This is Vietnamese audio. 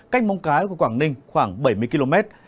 cách mong cái của quảng ninh khoảng bảy mươi km